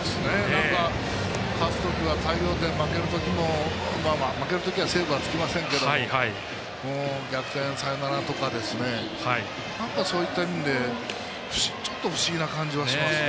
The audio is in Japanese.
勝つときは大量点負ける時はセーブはつきませんけど逆転サヨナラとかそういった意味でちょっと不思議な感じはしますね。